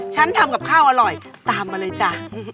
ฉันทำกับข้าวอร่อยตามมาเลยจ้ะ